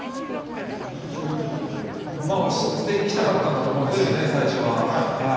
押していきたかったんだと思うんですよね、最初は。